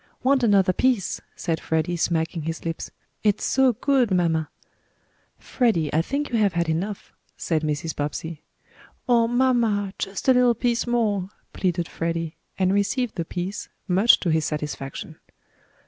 "Want another piece," said Freddie, smacking his lips. "It's so good, mamma!" "Freddie, I think you have had enough," said Mrs. Bobbsey. "Oh, mamma, just a little piece more!" pleaded Freddie, and received the piece, much to his satisfaction.